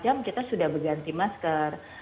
tiga empat jam kita sudah berganti masker